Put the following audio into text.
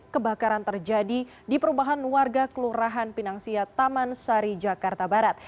kebakaran terjadi di perumahan warga kelurahan pinangsia taman sari jakarta barat